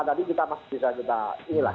tadi kita masih bisa kita inilah